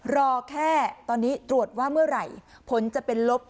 รอแค่ตอนนี้ตรวจว่าเมื่อไหร่ผลจะเป็นลบ